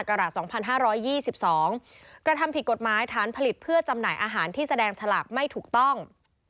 กระ๒๕๒๒กระทำผิดกฎหมายฐานผลิตเพื่อจำหน่ายอาหารที่แสดงฉลากไม่ถูกต้อง